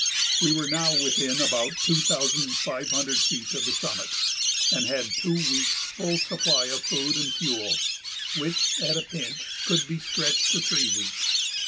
We were now within about two thousand five hundred feet of the summit and had two weeks' full supply of food and fuel, which, at a pinch, could be stretched to three weeks.